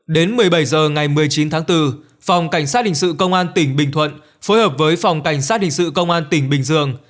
đến một mươi bảy h ngày một mươi chín tháng bốn phòng cảnh sát hình sự công an tỉnh bình thuận phối hợp với phòng cảnh sát hình sự công an tỉnh bình dương